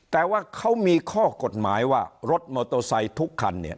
แต่ว่าเขามีข้อกฎหมายว่ารถมอเตอร์ไซค์ทุกคันเนี่ย